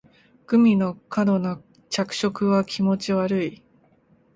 グミの過度な着色は気持ち悪い